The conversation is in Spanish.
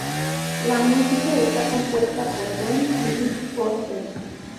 La música está compuesta por Ben y Nick Foster.